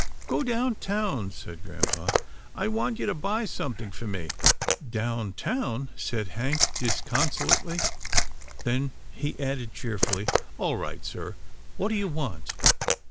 " Go down town," said grampa, " I want you to buy something for me." "Down town?" said Hank, disconsolately, then he added cheerfully, " All right, sir. What do you want?"